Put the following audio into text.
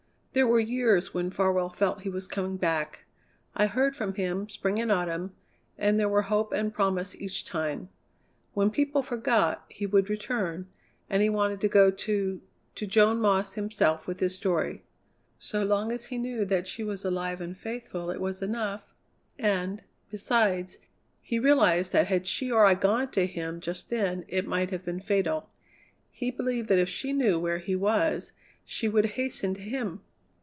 "There were years when Farwell felt he was coming back. I heard from him spring and autumn, and there were hope and promise each time. When people forgot, he would return, and he wanted to go to to Joan Moss himself with his story. So long as he knew that she was alive and faithful it was enough, and, besides, he realized that had she or I gone to him just then it might have been fatal. He believed that if she knew where he was she would hasten to him!